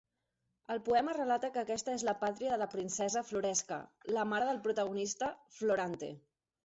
El poema relata que aquesta és la pàtria de la princesa Floresca, la mare del protagonista, Florante.